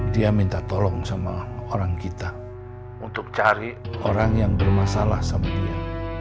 dia minta tolong sama orang kita untuk cari orang yang bermasalah sama dia